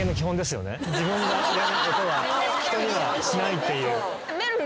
自分が嫌なことは人にはしないっていう。